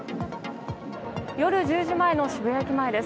夜１０時前の渋谷駅前です。